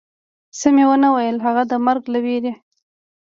څه مې و نه ویل، هغه د مرګ له وېرې.